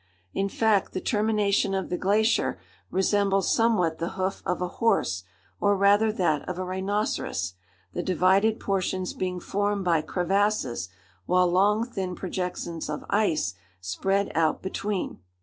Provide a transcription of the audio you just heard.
In fact the termination of the glacier resembles somewhat the hoof of a horse, or rather that of a rhinoceros, the divided portions being formed by crevasses, while long thin projections of ice spread out between.